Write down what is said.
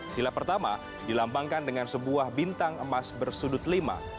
silap pertama dilambangkan dengan sebuah bintang emas bersudut lima